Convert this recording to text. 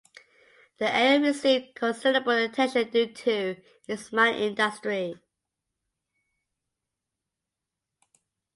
The area received considerable attention due to its mining industry.